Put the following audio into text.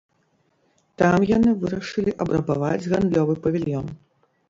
Там яны вырашылі абрабаваць гандлёвы павільён.